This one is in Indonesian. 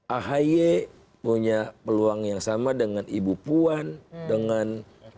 ahy punya peluang yang sama dengan ibu puan dengan